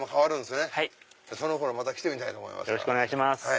よろしくお願いします。